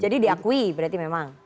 jadi diakui berarti memang